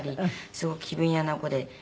すごく気分屋な子で。